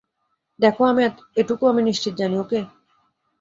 দেখো, এটুকু আমি নিশ্চিত জানি, ওকে?